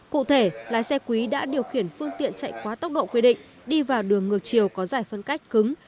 cụ thể lái xe quý đã điều khiển phương tiện chạy quá tốc độ quy định đi vào đường ngược chiều có giải phân cách cứng